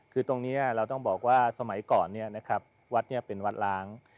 คือตรงนี้เราต้องบอกว่าสมัยก่อนวัดนี้เป็นวัดล้าง